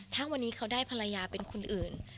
ถ้าวันนี้เขาได้ภรรยาเป็นคนอื่น